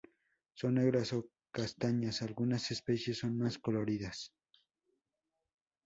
Son negras o castañas, algunas especies son más coloridas.